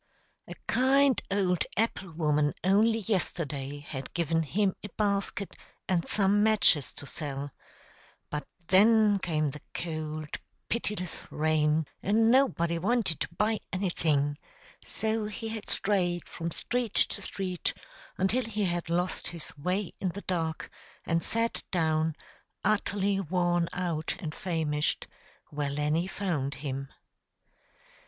A kind old apple woman only yesterday had given him a basket, and some matches to sell; but then came the cold, pitiless rain, and nobody wanted to buy anything; so he had strayed from street to street, until he had lost his way in the dark, and sat down, utterly worn out and famished, where Lenny found him.